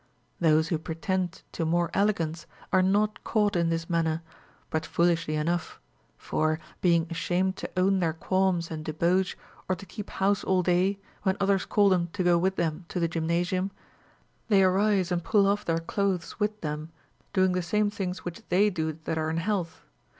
Those Λνΐιο pretend to more elegance are not caught in this man ner, but foolishly enough ; for, being ashamed to own their qualms and debauch or to keep house all day, when others call them to go with them to the gymnasium, they arise and pull off their clothes with them, doing the same things which they do that are in health.